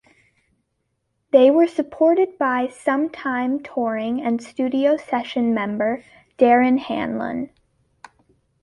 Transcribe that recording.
They were supported by sometime touring and studio session member, Darren Hanlon.